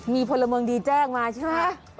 นี่พระเมืองดีแจ้งได้มาใช่ไหม